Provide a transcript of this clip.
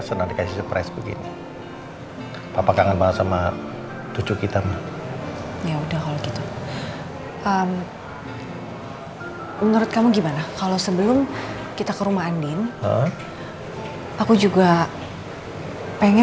udah diizinin sama catherine